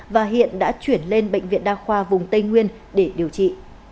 và hiện đã chuyển lên bệnh viện đa khoa vùng tây nguyên để điều trị